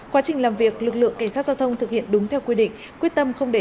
quá trình làm việc lực lượng cảnh sát giao thông thực hiện đúng theo quy định quyết tâm không để